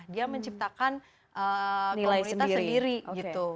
dia menciptakan komunitas sendiri gitu